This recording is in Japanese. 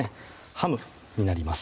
ハムになります